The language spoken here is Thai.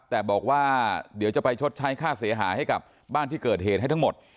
แต่บอกว่าเดี๋ยวจะไปชดใช้ค่าเสียหายให้กับบ้านที่เกิดเหตุให้ทั้งหมด